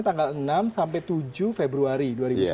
tanggal enam sampai tujuh februari dua ribu sembilan belas